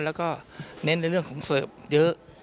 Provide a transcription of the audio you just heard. แล้วก็เน้นในเรื่องของเสิร์ฟเยอะ